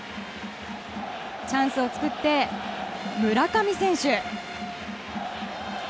チャンスを作って、村上選手。